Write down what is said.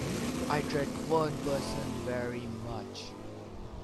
I dread one person very much.